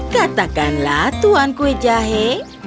katakanlah tuan kue jahe